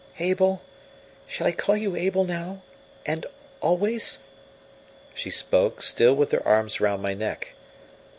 "Abel shall I call you Abel now and always?" she spoke, still with her arms round my neck.